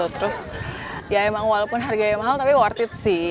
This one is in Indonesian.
terus ya emang walaupun harganya mahal tapi worth it sih